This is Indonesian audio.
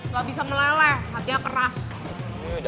gak bisa meleleh hatinya keras